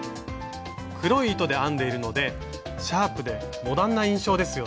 黒い糸で編んでいるのでシャープでモダンな印象ですよね。